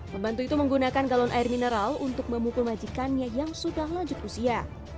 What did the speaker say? pembantu itu menggunakan galon air mineral untuk memukul majikannya yang sudah lanjut usia